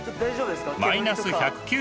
マイナス１９６